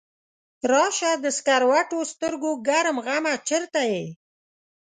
راشه د سکروټو سترګو ګرم غمه چرته یې؟